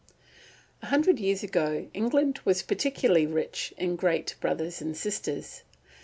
A HUNDRED years ago England was particularly rich in great brothers and sisters.